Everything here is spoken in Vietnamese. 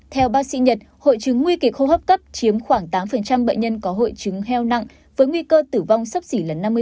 theo bác sĩ nhật hội chứng nguy kịch khô hấp cấp chiếm khoảng tám bệnh nhân có hội chứng heo nặng với nguy cơ tử vong sấp xỉ lần năm mươi